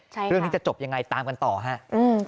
ใช่ครับเรื่องนี้จะจบยังไงตามกันต่อฮะอืม